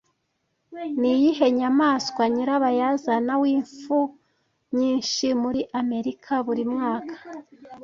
Ni iyihe nyamaswa nyirabayazana w'impfu nyinshi muri Amerika buri mwaka